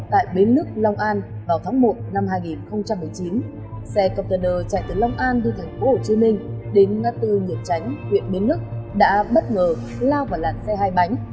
tại bến lức long an vào tháng một năm hai nghìn một mươi chín xe container chạy từ long an đi thành phố hồ chí minh đến nga tư nguyễn tránh huyện bến lức đã bất ngờ lao vào lặn xe hai bánh